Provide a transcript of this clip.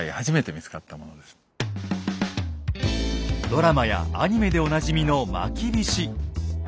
ドラマやアニメでおなじみのまきびし。